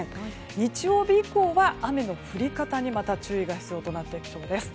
日曜日以降は、雨の降り方にまた注意が必要となりそうです。